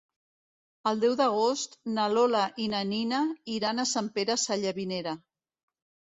El deu d'agost na Lola i na Nina iran a Sant Pere Sallavinera.